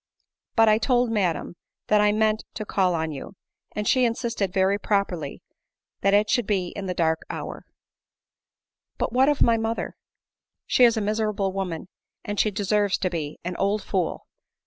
But I told madam that I meant to call on you, and she insisted very properly, that it should be in the dark hour." ADELINE MOWBRAY. 105 " But what of my mother?" " She is a miserable woman, as she deserves to be — an old fool."